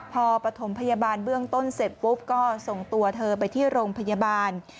พอปฐมพยาบาลเบื้องต้นเสร็จปุ๊บก็ส่งตัวเธอไปที่โรงพยาบาล